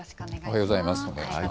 おはようございます。